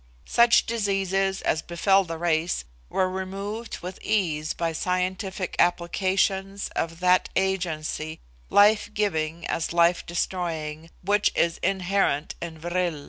Such diseases as befell the race were removed with ease by scientific applications of that agency life giving as life destroying which is inherent in vril.